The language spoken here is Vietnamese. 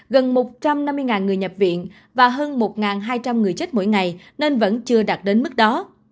gần một trăm năm mươi người nhập viện và hơn một hai trăm linh người chết mỗi ngày nên vẫn chưa đạt đến mức đó